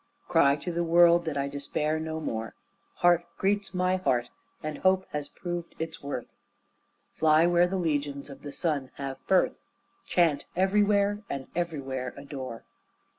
Cry to the world that I despair no more, Heart greets my heart and hope has proved its worth; Fly where the legions of the sun have birth, Chant everywhere and everywhere adore.